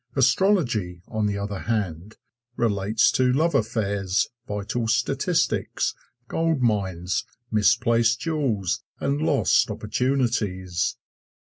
Astrology, on the other hand, relates to love affairs, vital statistics, goldmines, misplaced jewels and lost opportunities.